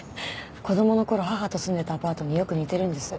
子供の頃母と住んでたアパートによく似てるんです。